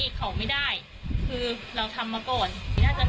อืมดูถ้าสมมุติกับที่มีเรื่องอื่นอ่ะน่าจะเป็นไปไม่ได้ใช่ไหม